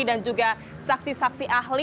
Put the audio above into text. dan juga saksi saksi ahli